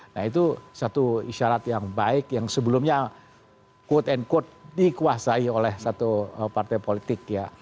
nah itu satu isyarat yang baik yang sebelumnya quote unquote dikuasai oleh satu partai politik ya